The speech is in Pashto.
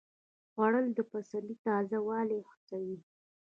خوړل د پسرلي تازه والی حسوي